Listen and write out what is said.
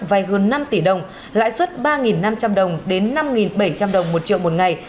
vay hơn năm tỷ đồng lãi suất ba năm trăm linh đồng đến năm bảy trăm linh đồng một triệu một ngày